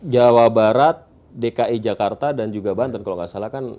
jawa barat dki jakarta dan juga banten kalau nggak salah kan